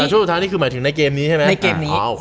แต่ช่วงสุดท้านนี่คือหมายถึงในเกมนี้ใช่ไหม